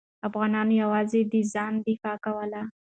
افغانانو یوازې د ځان دفاع کوله.